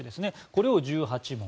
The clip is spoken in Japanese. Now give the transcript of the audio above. これを１８門。